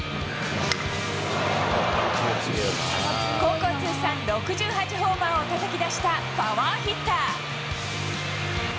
高校通算６８ホーマーをたたき出したパワーヒッター。